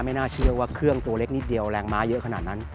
ไม่น่าเชื่อว่าเครื่องตัวเล็กนิดเดียวแรงม้าเยอะขนาดนั้น